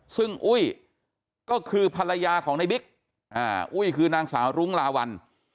ซึ่งอุ้ยก็คือภรรยาของในบิ๊กอุ้ยคือนางสาวรุ้งลาวัล